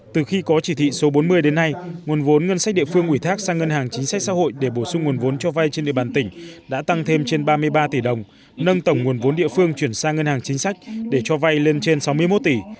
từ khi có chỉ thị số bốn mươi đến nay nguồn vốn ngân sách địa phương ủy thác sang ngân hàng chính sách xã hội để bổ sung nguồn vốn cho vay trên địa bàn tỉnh đã tăng thêm trên ba mươi ba tỷ đồng nâng tổng nguồn vốn địa phương chuyển sang ngân hàng chính sách để cho vay lên trên sáu mươi một tỷ